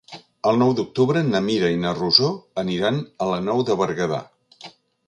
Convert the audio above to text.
El nou d'octubre na Mira i na Rosó aniran a la Nou de Berguedà.